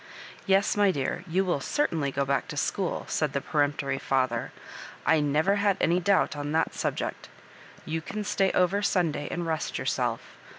" TeSj my dear, you will certainly go back to school," said the peremptory fether ;" I never had any doubt on that subject You can stay over Sunday and regft yourself.